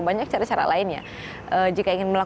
banyak cara cara lainnya